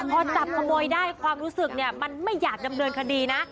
พอจับขโมยได้ความรู้สึกเนี่ยมันไม่อยากดำเนินคดีนะ